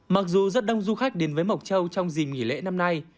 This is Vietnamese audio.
mặc dù rất đông du khách đến với mộc châu trong dìm nghỉ lễ năm nay